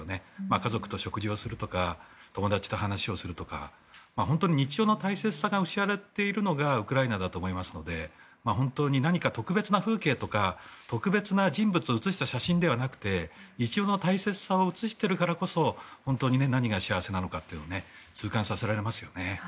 家族と食事をするとか友達と話をするとか本当に日常の大切さが失われているのがウクライナだと思いますので何か特別な風景とか特別な人物を写した写真ではなくて日常の大切さを写しているからこそ本当に何が大切なのかを痛感させられますよね。